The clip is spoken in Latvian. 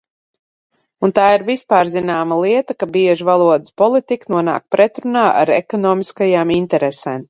Un tā ir vispārzināma lieta, ka bieži valodas politika nonāk pretrunā ar ekonomiskajām interesēm.